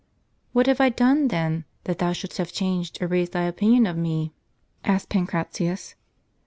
" What have I done, then, that should thus have changed or raised thy opinion of me ?" asked Pancratius.